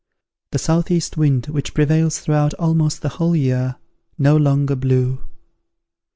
The southeast wind, which prevails throughout almost the whole year, no longer blew.